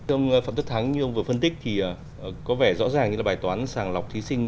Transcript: ông phạm tất thắng như ông vừa phân tích thì có vẻ rõ ràng như là bài toán sàng lọc thí sinh